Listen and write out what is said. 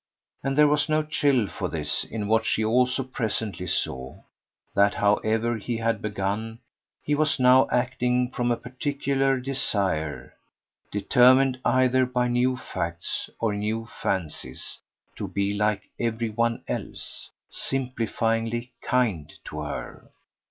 And there was no chill for this in what she also presently saw that, however he had begun, he was now acting from a particular desire, determined either by new facts or new fancies, to be like every one else, simplifyingly "kind" to her.